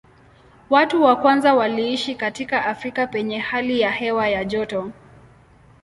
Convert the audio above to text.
Watu wa kwanza waliishi katika Afrika penye hali ya hewa ya joto.